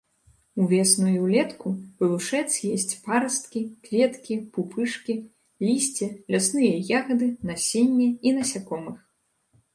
Увесну і ўлетку глушэц есць парасткі, кветкі, пупышкі, лісце, лясныя ягады, насенне і насякомых.